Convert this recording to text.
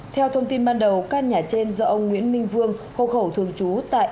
theo thông tin ban đầu căn nhà trên do ông nguyễn minh vương hộ khẩu thường trú tại